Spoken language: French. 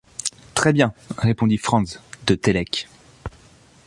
Très bien, » répondit Franz de Télek.